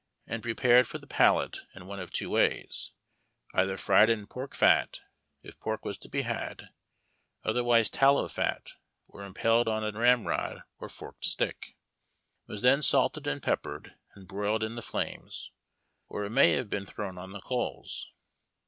and prepared for the palate in one of two Avays :— either fried in pork fat, if pork was to be had, otherwise tallow fat, or impaled on a ramrod or forked stick ; it was then salted and peppered and broiled in the flames ; or it may liave been thrown on the coals.